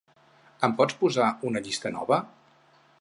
Em pots posar una llista nova?